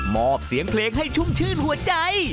อบเสียงเพลงให้ชุ่มชื่นหัวใจ